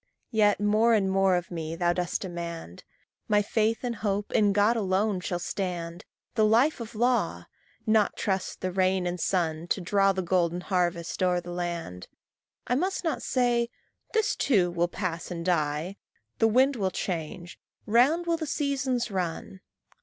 Yet more and more of me thou dost demand; My faith and hope in God alone shall stand, The life of law not trust the rain and sun To draw the golden harvest o'er the land. I must not say "This too will pass and die," "The wind will change," "Round will the seasons run."